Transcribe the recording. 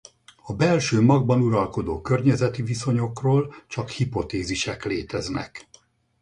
A belső magban uralkodó környezeti viszonyokról csak hipotézisek léteznek.